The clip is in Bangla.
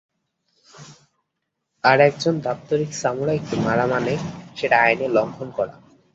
আর একজন দাপ্তরিক সামুরাইকে মারা মানে, সেটা আইনের লঙ্ঘন করা।